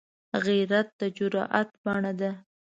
غیرت د جرئت بڼه ده